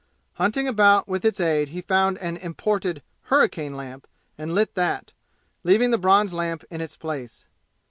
Hunting about with its aid he found an imported "hurricane" lantern and lit that, leaving the bronze lamp in its place.